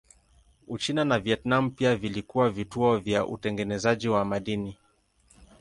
Uchina na Vietnam pia vilikuwa vituo vya utengenezaji wa madini.